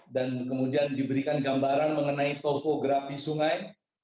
dan kemudian diberikan gambaran mengenai topografi sungai